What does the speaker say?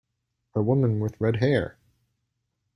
A woman with red hair!